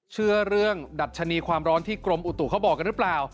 เชื่อเรื่องดัชนีความร้อนที่กรมอุตุเขาบอกกันหรือเปล่า